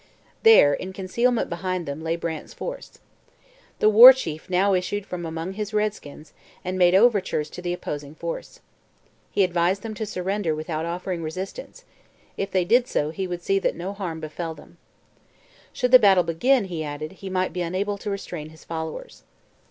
There, in concealment behind them, lay Brant's force. The War Chief now issued from among his redskins, and made overtures to the opposing force. He advised them to surrender without offering resistance; if they did so he would see that no harm befell them. Should the battle begin, he added, he might be unable to restrain his followers.